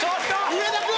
上田君！